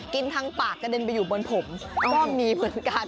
ทางปากกระเด็นไปอยู่บนผมก็มีเหมือนกัน